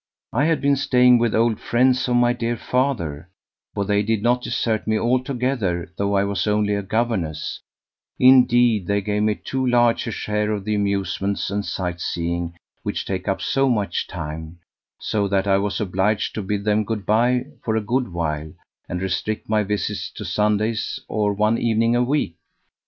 I had been staying with old friends of my dear father, for they did not desert me altogether though I was only a governess; indeed, they gave me too large a share of the amusements and sight seeing which take up so much time, so that I was obliged to bid them good bye for a good while, and restrict my visits to Sundays or one evening a week.